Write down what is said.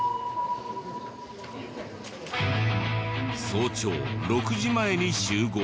早朝６時前に集合。